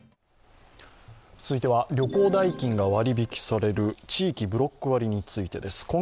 続いては、旅行代金が割引される地域ブロック割についてです。